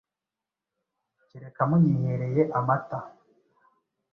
Kereka munyihereye amata